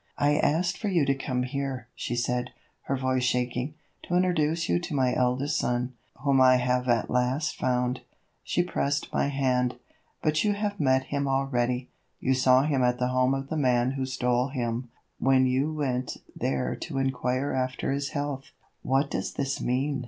"I asked for you to come here," she said, her voice shaking, "to introduce you to my eldest son, whom I have at last found"; she pressed my hand. "But you have met him already; you saw him at the home of the man who stole him, when you went there to inquire after his health." "What does this mean?"